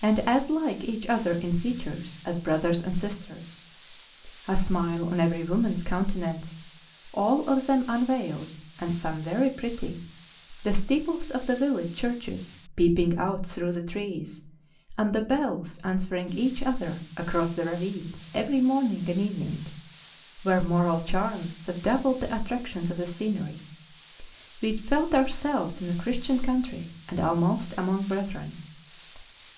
and as like each other in features as brothers and sisters,—a smUe on every woman's countenance, all of them unveiled, and some very pretty, the steeples of the village churches peeping out through the trees, and the bells answering each other across the ravines ev^ery morning and evening, were moral charms that doubled the attractions of the scenery ; we felt ourselves in a Christian country and almost among brethren.